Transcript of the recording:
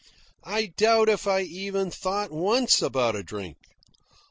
I doubt if I even thought once about a drink.